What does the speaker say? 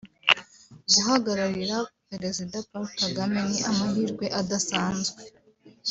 guhagararira Perezida Paul Kagame ni amahirwe adasanzwe